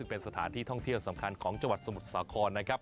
เป็นสถานที่ท่องเที่ยงสำคัญของสมุทสาคร